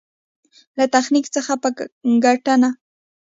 له تخنيک څخه په ګټنه.